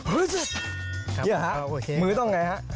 เหี้ยหรือฮะมือต้องไงฮะครับโอเคครับ